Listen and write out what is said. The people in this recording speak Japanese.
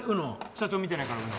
社長見てないからウノ。